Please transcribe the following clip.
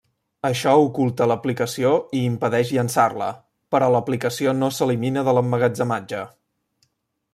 Això oculta l'aplicació i impedeix llançar-la, però l'aplicació no s'elimina de l'emmagatzematge.